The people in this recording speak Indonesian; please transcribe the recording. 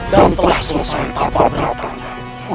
dan telah selesai tanpa melatangnya